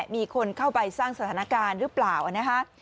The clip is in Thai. มีคนเข้าไปสร้างสถานการณ์หรือเปล่านะคะ